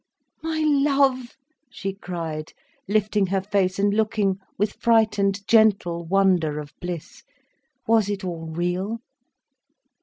"My love!" she cried, lifting her face and looking with frightened, gentle wonder of bliss. Was it all real?